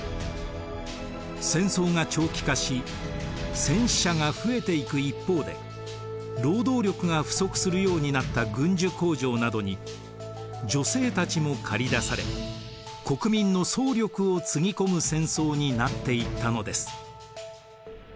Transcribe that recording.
戦争が長期化し戦死者が増えていく一方で労働力が不足するようになった軍需工場などに女性たちも駆り出され国民の総力をつぎ込む戦争になっていったのです。